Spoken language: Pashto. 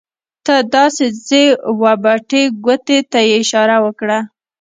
ته داسې ځې وه بټې ګوتې ته یې اشاره وکړه.